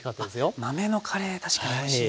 豆のカレー確かにおいしいですね。